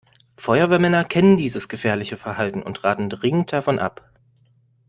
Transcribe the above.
Feuerwehrmänner kennen dieses gefährliche Verhalten und raten dringend davon ab.